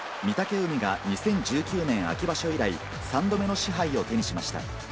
御嶽海が２０１９年秋場所以来、３度目の賜杯を手にしました。